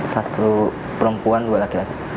satu perempuan dua laki laki